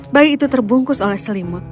bayi itu terbungkus oleh selimut